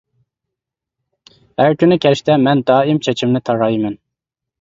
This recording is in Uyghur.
ھەر كۈنى كەچتە مەن دائىم چېچىمنى تارايمەن.